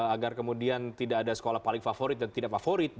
agar kemudian tidak ada sekolah paling favorit dan tidak favorit